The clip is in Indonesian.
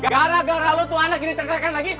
gara gara lo tuh anak ini tersekan lagi